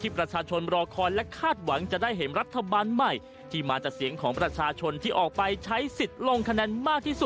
โปรดติดตาม